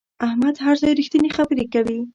احمد هر ځای رښتینې خبره کوي.